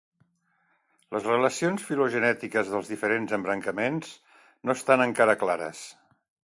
Les relacions filogenètiques dels diferents embrancaments no estan encara clares.